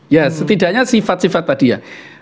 ya setidaknya sifat sifat tadi ya